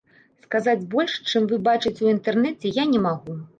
Сказаць больш, чым вы бачыце ў інтэрнэце, я не магу.